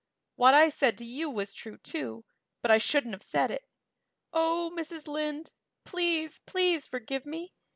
What I said to you was true, too, but I shouldn't have said it. Oh, Mrs. Lynde, please, please, forgive me.